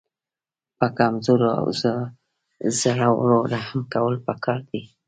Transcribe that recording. په کمزورو او زړو رحم کول پکار دي.